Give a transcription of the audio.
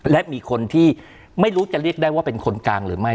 และมีคนที่ไม่รู้จะเรียกได้ว่าเป็นคนกลางหรือไม่